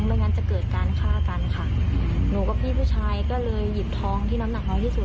ไม่งั้นจะเกิดการฆ่ากันค่ะหนูกับพี่ผู้ชายก็เลยหยิบทองที่น้ำหนักน้อยที่สุด